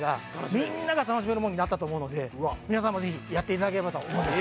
みんなが楽しめるものになったと思うので皆さんもぜひやっていただければと思います